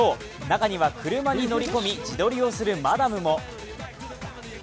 中には車に乗り込み自撮りをするマダムも。